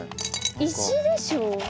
石でしょう。